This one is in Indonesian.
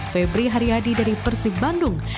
febri haryadi dari persib bandung